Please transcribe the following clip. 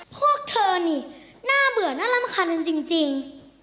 พวกเธอนี่น่าเบื่อนักรำคันอ่ะจริง